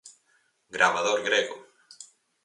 Gravador grego.